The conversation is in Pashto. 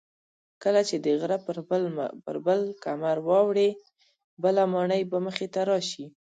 کله چې د غره پر بل کمر واوړې بله ماڼۍ به مخې ته راشي.